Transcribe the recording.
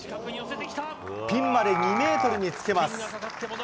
ピンまで２メートルにつけます。